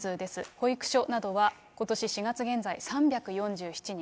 保育所などはことし４月現在、３４７人。